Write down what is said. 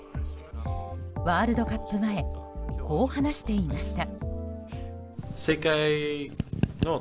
ワールドカップ前こう話していました。